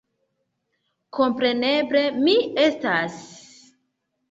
Kompreneble, mi estas....